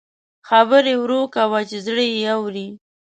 خبرې ورو کوه چې زړه یې اوري